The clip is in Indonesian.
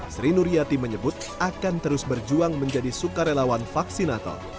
sri nuryati menyebut akan terus berjuang menjadi sukarelawan vaksinator